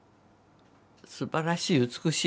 すばらしい美しいの。